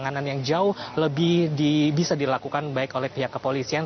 penanganan yang jauh lebih bisa dilakukan baik oleh pihak kepolisian